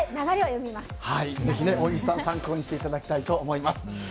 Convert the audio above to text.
ぜひ大西さん、参考にしていただきたいと思います。